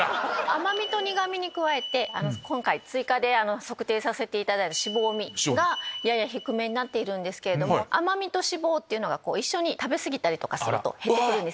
甘味と苦味に加えて今回追加で測定させていただいた脂肪味がやや低めになっているんですけども甘味と脂肪っていうのが一緒に食べ過ぎると減ってくる。